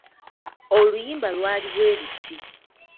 Oluyimba Iwali bwe luti.